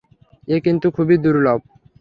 এ কিন্তু খুবই দুর্লভ।